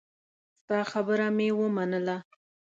ستا خبره مې ومنله.